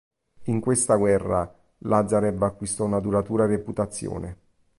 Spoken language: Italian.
In questa guerra Lazarev acquistò una duratura reputazione.